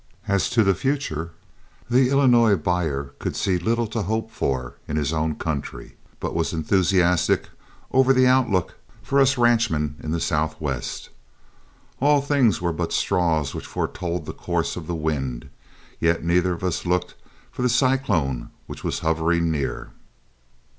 As to the future, the Illinois buyer could see little to hope for in his own country, but was enthusiastic over the outlook for us ranchmen in the Southwest. All these things were but straws which foretold the course of the wind, yet neither of us looked for the cyclone which was hovering near.